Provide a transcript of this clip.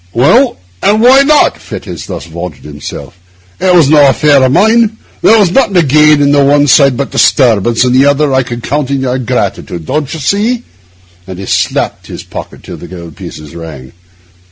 'Well, and why not?' Fettes thus vaunted himself. 'It was no affair of mine. There was nothing to gain on the one side but disturbance, and on the other I could count on your gratitude, don't you see?' And he slapped his pocket till the gold pieces rang.